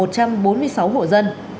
của một trăm bốn mươi sáu hộ dân